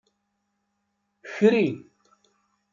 Kri.